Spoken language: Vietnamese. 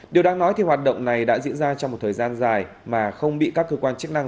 điều đáng nói thì hoạt động này đã diễn ra trong một thời gian dài mà không bị các cơ quan chức năng